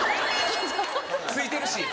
すいてるし。